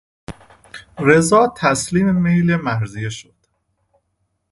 رضا تسلیم میل مرضیه شد.